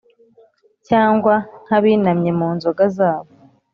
cyangwa nk’abinamye mu nzoga zabo